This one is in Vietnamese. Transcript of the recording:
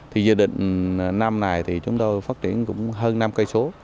thì dự định năm này thì chúng tôi phát triển cũng hơn năm cây số